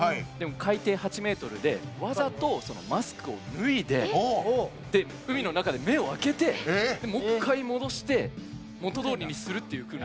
海底８メートルでわざとマスクを脱いで海の中で目を開けてもう一回、戻して元どおりにするっていう訓練。